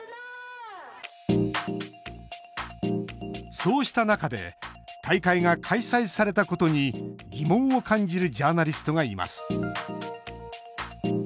そうした中で大会が開催されたことに疑問を感じるジャーナリストがいます。